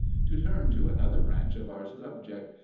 To turn to another branch of our subject.